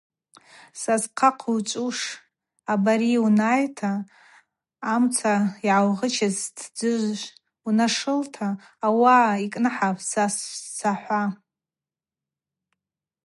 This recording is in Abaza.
Са схъа хъызчӏвуш абари унайта, амца ъагӏаугъычыз стдзыжв унашылта, ауаъа йкӏныхӏапӏ са сахӏва.